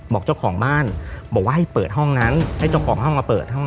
บอกเจ้าของบ้านบอกว่าให้เปิดห้องนั้นให้เจ้าของห้องมาเปิดห้อง